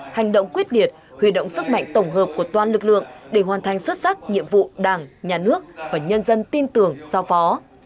hành động quyết liệt huy động sức mạnh tổng hợp của toàn lực lượng để hoàn thành xuất sắc nhiệm vụ đảng nhà nước và nhân dân tin tưởng giao phó